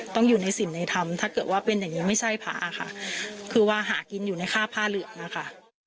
ต้องอยู่ในสิ่งในธรรมถ้าเกิดว่าเป็นอย่างนี้ไม่ใช่พระค่ะคือว่าหากินอยู่ในค่าผ้าเหลืองนะคะ